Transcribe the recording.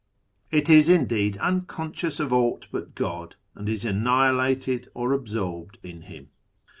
It is, indeed, unconscious of aught but God, and is annihilated or absorbed in Him.